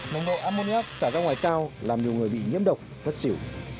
nồng độ ammoniac trả ra ngoài cao làm nhiều người bị nhiễm độc bất xỉu